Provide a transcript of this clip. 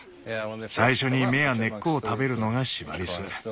最初に芽や根っこを食べるのがシマリス。